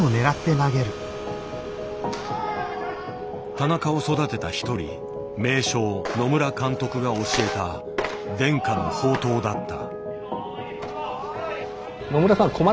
田中を育てた一人名将野村監督が教えた伝家の宝刀だった。